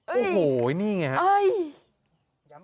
โอ้โหนี่ไงฮะ